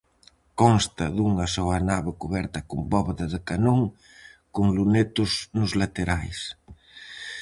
Consta dunha soa nave cuberta con bóveda de canón con lunetos nos laterais.